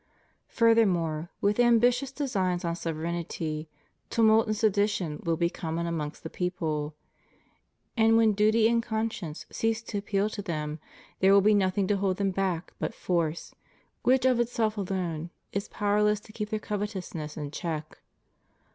Furthermore, with ambitious designs on sovereignty, tumult and sedition will be common amongst the people; and when duty and con science cease to appeal to them, there will be nothing to hold them back but force, which of itself alone is powerless to keep their covetousness in check.